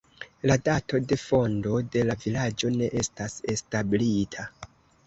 La dato de fondo de la vilaĝo ne estas establita.